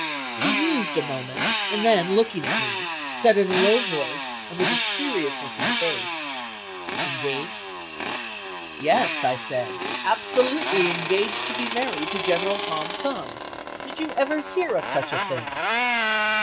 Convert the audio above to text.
He mused a moment, and then looking at me, said in a low voice, and with a serious looking face, "Engaged?" "Yes," said I, "absolutely engaged to be married to General Tom Thumb. Did you ever hear of such a thing?"